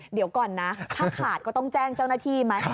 เดี๋ยวก่อนนะถ้าขาดก็ต้องแจ้งเจ้าหน้าที่ไหม